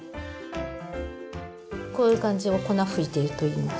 こういう感じを粉ふいてるといいます。